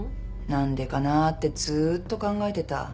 何でかなってずっと考えてた。